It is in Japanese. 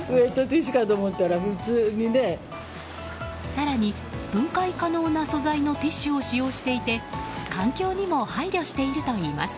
更に、分解可能な素材のティッシュを使用していて環境にも配慮しているといいます。